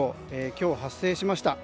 今日発生しました。